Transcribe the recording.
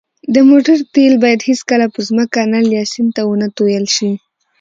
د موټر تېل باید هېڅکله په ځمکه، نل، یا سیند ته ونهتوېل ش